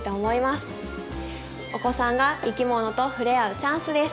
お子さんが生き物と触れ合うチャンスです。